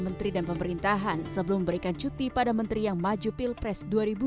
menteri dan pemerintahan sebelum memberikan cuti pada menteri yang maju pilpres dua ribu dua puluh